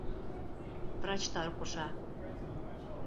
Врачтар ҡуша.